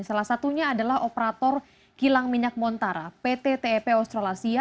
salah satunya adalah operator kilang minyak montara pt tep australasia